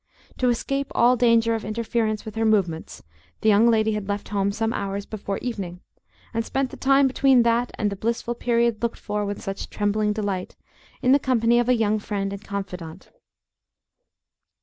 To escape all danger of interference with her movements, the young lady had left home some hours before evening, and spent the time between that and the blissful period looked for with such trembling delight, in the company of a young friend and confidante.